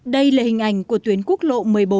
đây là hình ảnh của tuyến quốc lộ một mươi bốn